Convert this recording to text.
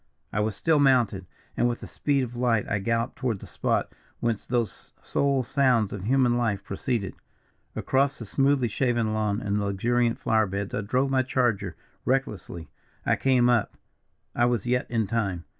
"I was still mounted, and with the speed of light I galloped toward the spot whence those sole sounds of human life proceeded. Across the smoothly shaven lawn and luxuriant flowerbeds I drove my charger recklessly. I came up. I was yet in time!